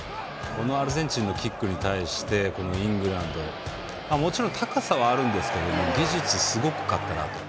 アルゼンチンのキックに対してイングランド、もちろん高さはあるんですけど、技術すごかったなと。